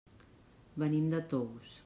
Venim de Tous.